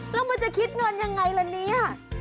แล้วมันจะคิดเงินยังไงละเนี่ย